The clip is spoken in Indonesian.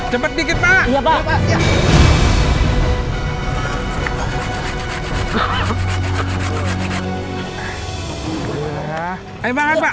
cepetan pak cepetan pak